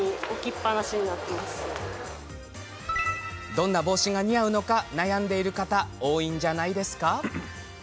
どんな帽子が似合うのか悩んでいる方多いんじゃないですか？